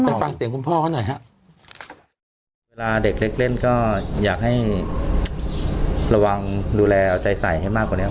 ฟังเสียงคุณพ่อเขาหน่อยฮะเวลาเด็กเล็กเล่นก็อยากให้ระวังดูแลเอาใจใส่ให้มากกว่านี้